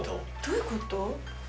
どういうこと？